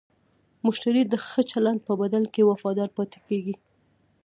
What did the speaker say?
مشتری د ښه چلند په بدل کې وفادار پاتې کېږي.